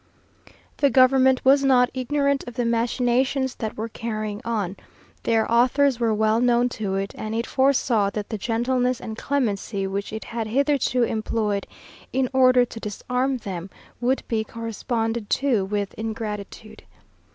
_The government was not ignorant of the machinations that were carrying on; their authors were well known to it, and it foresaw that the gentleness and clemency which it had hitherto employed in order to disarm them, would be corresponded to with ingratitude.